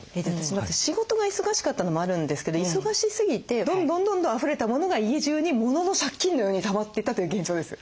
仕事が忙しかったのもあるんですけど忙しすぎてどんどんどんどんあふれたモノが家中にモノの借金のようにたまっていったという現状です。